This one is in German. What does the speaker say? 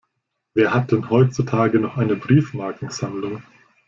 Wer hat denn heutzutage noch eine Briefmarkensammlung?